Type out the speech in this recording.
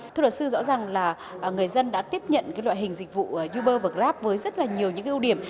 thưa luật sư rõ ràng là người dân đã tiếp nhận loại hình dịch vụ uber và grab với rất là nhiều những ưu điểm